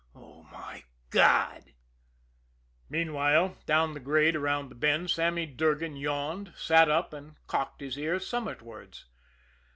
"Oh, my God!" Meanwhile, down the grade around the bend, Sammy Durgan yawned, sat up, and cocked his ear summitwards.